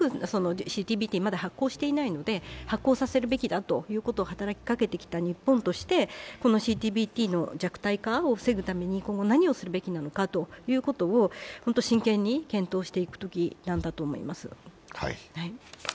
まだ発効していないので発効させるべきだとしてきた日本として、ＣＴＢＴの弱体化を防ぐために何をするべきなのかということを真剣に検討していくときなんだと思います。